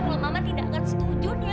kalau mama tidak akan setujunya